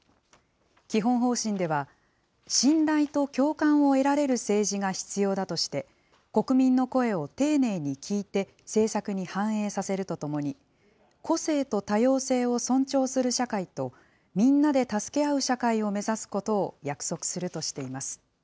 基本方針では、信頼と共感を得られる政治が必要だとして、国民の声を丁寧に聞いて政策に反映させるとともに、個性と多様性を尊重する社会と、みんなで助け合う社会を目指すことを約束するとしています。